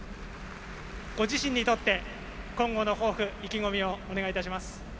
ご自身にとって、今後の抱負意気込みをお願いいたします。